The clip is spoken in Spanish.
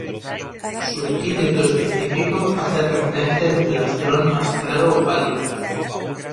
Su epíteto específico hace referencia al plastrón más claro o pálido.